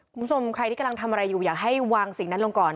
คุณผู้ชมใครที่กำลังทำอะไรอยู่อยากให้วางสิ่งนั้นลงก่อน